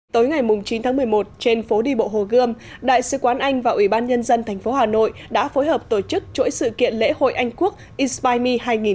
tối ngày chín tháng một mươi một trên phố đi bộ hồ gươm đại sứ quán anh và ủy ban nhân dân tp hà nội đã phối hợp tổ chức chuỗi sự kiện lễ hội anh quốc isbilemi hai nghìn một mươi chín